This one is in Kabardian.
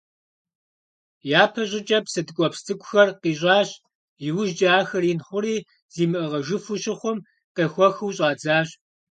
Япэ щӀыкӀэ псы ткӀуэпс цӀыкӀухэр къищӀащ, иужькӀэ ахэр ин хъури, замыӀыгъыжыфу щыхъум, къехуэхыу щӀадзащ.